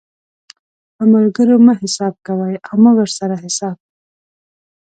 په ملګرو مه حساب کوئ او مه ورسره حساب